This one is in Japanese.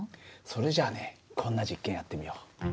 それじゃあねこんな実験やってみよう。